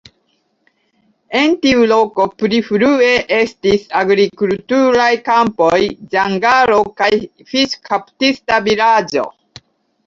En tiu loko pli frue estis agrikulturaj kampoj, ĝangalo kaj fiŝkaptista vilaĝo.